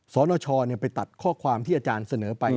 สนชไปตัดข้อความที่อาจารย์เสนอไป